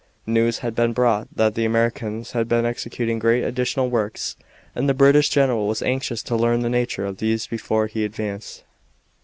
News had been brought that the Americans had been executing great additional works, and the British general was anxious to learn the nature of these before he advanced.